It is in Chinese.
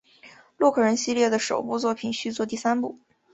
洛克人系列的首部作品续作第三部。